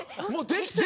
できてる？